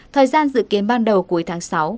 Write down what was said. thời gian dự kiến ban đầu cuối tháng sáu